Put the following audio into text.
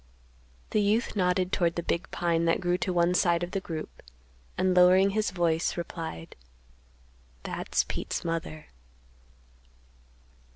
The youth nodded toward the big pine that grew to one side of the group, and, lowering his voice, replied, "That's Pete's mother."